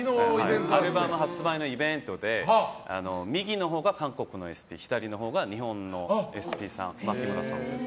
アルバム発売のイベントで右のほうが韓国のＳＰ左のほうが日本のＳＰさんです。